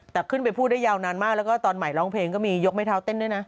แต่ขึ้นไปพูดได้ยาวนานมากแล้วก็ตอนใหม่ร้องเพลงก็มียกไม้เท้าเต้นด้วยนะ